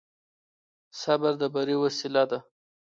صبر د بري وسيله ده.